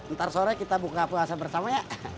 ntar sore kita buka puasa bersama ya